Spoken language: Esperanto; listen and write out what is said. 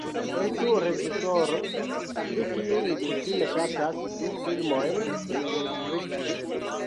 Estu reĝisoro, pri kiu mi kutime ŝatas du filmojn el tri.